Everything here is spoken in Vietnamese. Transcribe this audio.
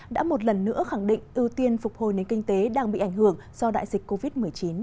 đã một lần nữa khẳng định ưu tiên phục hồi nền kinh tế đang bị ảnh hưởng do đại dịch covid một mươi chín